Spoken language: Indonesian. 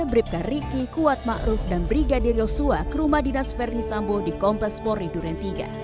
mabripka riki kuat ma ruf dan brigadir yosua ke rumah dinas ferdi sambo di kompas polri durian tiga